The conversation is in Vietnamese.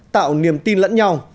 tạo niềm tin lẫn nhau